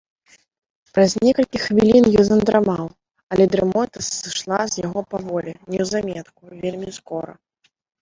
Праз некалькі хвілін ён задрамаў, але дрымота сышла з яго паволі, неўзаметку, вельмі скора.